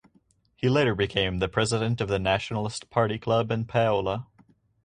He later became the president of the Nationalist Party club in Paola.